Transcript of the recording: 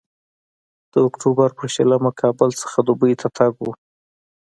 د اکتوبر پر شلمه کابل څخه دوبۍ ته تګ و.